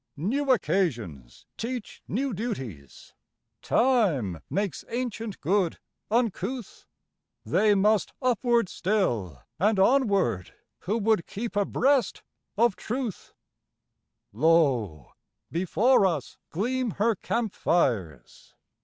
New occasions teach new duties; Time makes ancient good uncouth; They must upward still, and onward, who would keep abreast of Truth; Lo, before us gleam her camp fires!